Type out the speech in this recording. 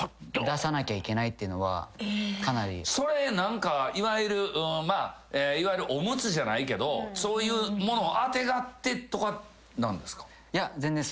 それいわゆるおむつじゃないけどそういうものをあてがってとかなんですか？